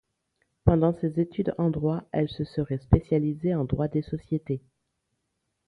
Pendant ses études en droit, elle se serait spécialisée en droit des sociétés.